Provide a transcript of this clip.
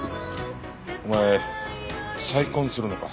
お前再婚するのか？